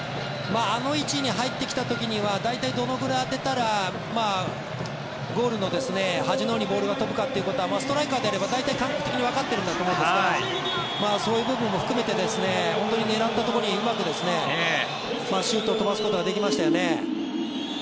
あの位置に入ってきた時には大体どのぐらい当てたらゴールの端のほうにボールが飛ぶかはストライカーであれば大体感覚的にわかっているんだと思いますがそういう部分も含めて本当に狙ったところにうまくシュートを飛ばすことができましたよね。